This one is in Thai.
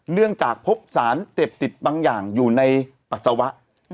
เนื่องจากพบสารเสพติดบางอย่างอยู่ในปัสสาวะ